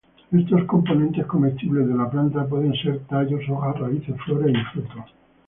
Estos componentes comestibles de la planta pueden ser tallos, hojas, raíces, flores y frutos.